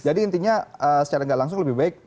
jadi intinya secara nggak langsung lebih baik